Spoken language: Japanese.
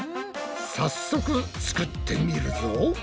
早速作ってみるぞ。